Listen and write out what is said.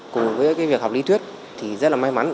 cùng với việc học lý thuyết thì rất là may mắn